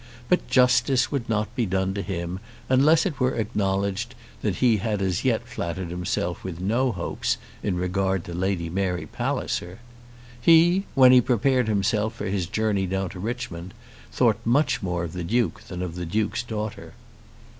But justice would not be done him unless it were acknowledged that he had as yet flattered himself with no hopes in regard to Lady Mary Palliser. He, when he prepared himself for his journey down to Richmond, thought much more of the Duke than of the Duke's daughter.